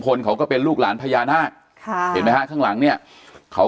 คนเขาก็เป็นลูกหลานพญานาคค่ะเห็นไหมฮะข้างหลังเนี่ยเขา